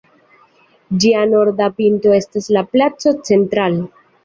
Ĝia norda pinto estas la placo "Central".